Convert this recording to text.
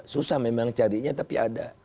susah memang carinya tapi ada